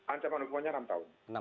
ancaman hukumannya enam tahun